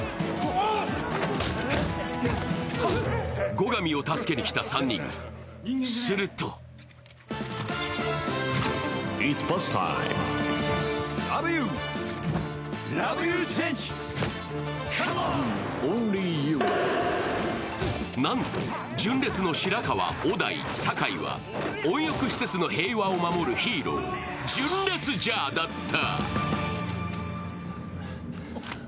後上を助けに来た３人、するとなんと純烈の白川、小田井、酒井は温浴施設の平和を守るヒーロー、純烈ジャーだった。